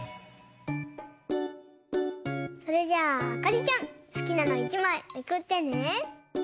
それじゃあかりちゃんすきなの１まいめくってね。